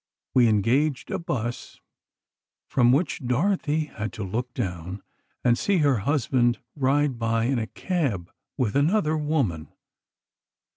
We engaged a bus, from which Dorothy had to look down and see her 'husband' ride by in a cab with another woman.